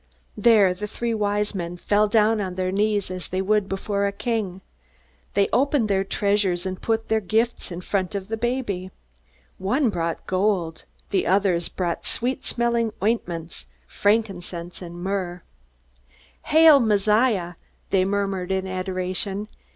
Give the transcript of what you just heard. There the three Wise Men fell down on their knees as they would before a king. They opened their treasures and put their gifts in front of the baby. One brought gold. The others brought sweet smelling ointments, frankincense and myrrh. "Hail, Messiah!" they murmured in adoration.